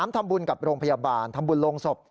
ทำบุญกับโรงพยาบาลทำบุญโรงศพ